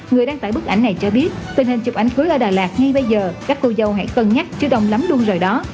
người đăng tải bức ảnh này cho biết tình hình chụp ảnh cưới ở đà lạt ngay bây giờ các cô dâu hãy cân nhắc chưa đồng lắm luôn rồi đó